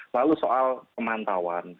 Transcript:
lalu soal pemantauan